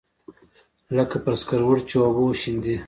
لکه پر سکروټو چې اوبه وشيندې.